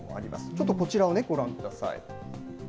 ちょっとこちらをご覧ください。